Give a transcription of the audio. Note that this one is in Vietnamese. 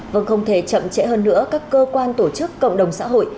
vâng không thể chậm trễ hơn nữa các cơ quan tổ chức cộng đồng xã hội